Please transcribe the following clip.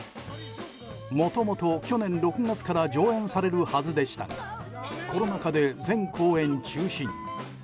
もともと、去年６月から上演されるはずでしたがコロナ禍で全公演中止に。